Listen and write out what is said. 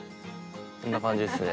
こんな感じですね